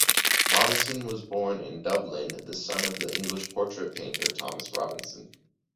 Robinson was born in Dublin, the son of the English portrait painter Thomas Robinson.